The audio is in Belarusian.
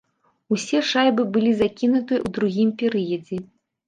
Усе шайбы былі закінутыя ў другім перыядзе.